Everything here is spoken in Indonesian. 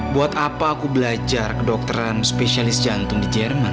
buat apa aku belajar kedokteran spesialis jantung di jerman